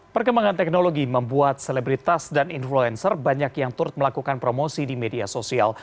perkembangan teknologi membuat selebritas dan influencer banyak yang turut melakukan promosi di media sosial